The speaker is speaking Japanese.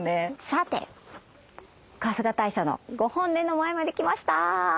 さて春日大社のご本殿の前まで来ました。